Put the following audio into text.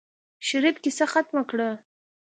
شريف کيسه ختمه کړه.